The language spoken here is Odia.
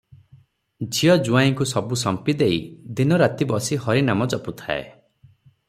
ଝିଅ ଜୁଆଇଁଙ୍କୁ ସବୁ ସମ୍ପିଦେଇ ଦିନ ରାତି ବସି ହରି ନାମ ଜପୁଥାଏ |